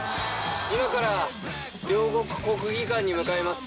今から両国国技館に向かいます。